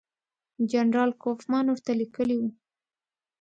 جنرال کوفمان ورته لیکلي وو.